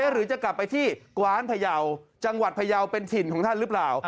หรือจะกลับไปที่กว้านพยาวจังหวัดพยาวเป็นถิ่นของท่านหรือเปล่า